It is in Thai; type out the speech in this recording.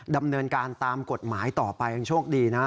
ดำเนินการตามกฎหมายต่อไปยังโชคดีนะ